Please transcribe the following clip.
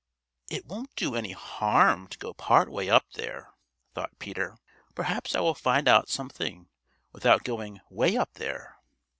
"It won't do any harm to go part way up there," thought Peter. "Perhaps I will find out something without going way up there."